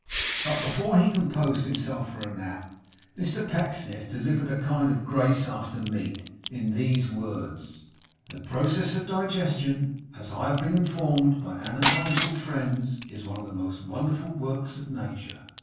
But before he composed himself for a nap, Mr Pecksniff delivered a kind of grace after meat, in these words: 'The process of digestion, as I have been informed by anatomical friends, is one of the most wonderful works of nature.